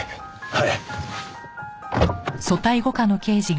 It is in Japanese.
はい！